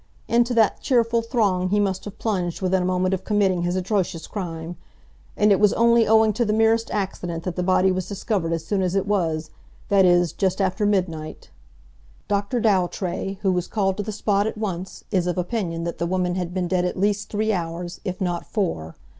Into that cheerful throng he must have plunged within a moment of committing his atrocious crime. And it was only owing to the merest accident that the body was discovered as soon as it was—that is, just after midnight. "Dr. Dowtray, who was called to the spot at once, is of opinion that the woman had been dead at least three hours, if not four.